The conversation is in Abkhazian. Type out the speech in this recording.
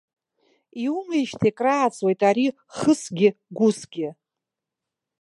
Иумеижьҭеи крааҵуеит ари хысгьы гәысгьы.